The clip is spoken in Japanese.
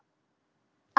あ。